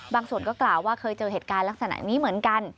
ส่วนก็กล่าวว่าเคยเจอเหตุการณ์ลักษณะนี้เหมือนกัน